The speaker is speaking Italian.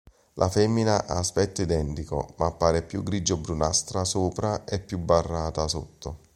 La femmina ha aspetto identico, ma appare più grigio-brunastra sopra e più barrata sotto.